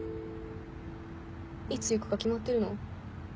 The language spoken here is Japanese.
いつ行くか決まってるの？